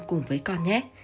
cùng với con nhé